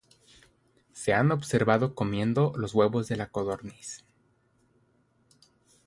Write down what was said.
Se han observado comiendo los huevos de la codorniz.